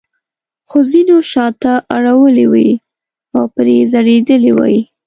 خو ځینو شاته اړولې وې او پرې ځړېدلې وې.